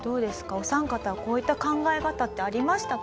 お三方はこういった考え方ってありましたか？